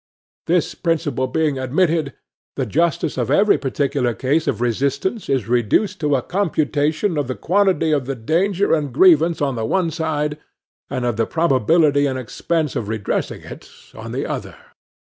—"This principle being admitted, the justice of every particular case of resistance is reduced to a computation of the quantity of the danger and grievance on the one side, and of the probability and expense of redressing it on the other."